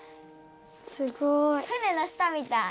すごい。